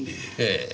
ええ。